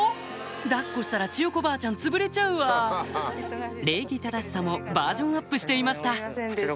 抱っこしたらちよこばあちゃんつぶれちゃうわ礼儀正しさもバージョンアップしていました